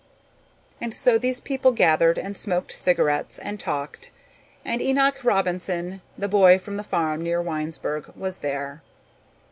And so these people gathered and smoked cigarettes and talked and Enoch Robinson, the boy from the farm near Winesburg, was there.